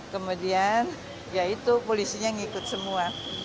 kemudian ya itu polisinya ngikut semua